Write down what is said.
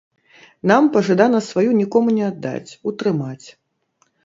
Нам пажадана сваю нікому не аддаць, утрымаць.